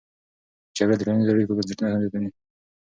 جګړه د ټولنیزو اړیکو بنسټونه زیانمنوي.